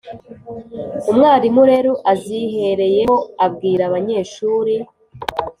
Umwarimu rero azihereyeho abwira abanyeshuri